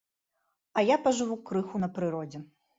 А я пажыву крыху на прыродзе.